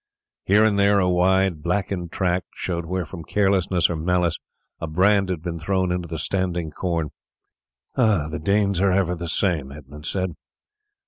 Here and there a wide blackened tract showed where, from carelessness or malice, a brand had been thrown into the standing corn. "The Danes are ever the same," Edmund said.